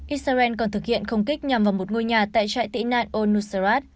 israel còn thực hiện công kích nhằm vào một ngôi nhà tại trại tị nạn ol nusrat